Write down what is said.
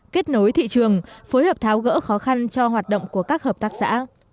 kết nối thị trường phối hợp tháo gỡ khó khăn cho hoạt động của các hợp tác xã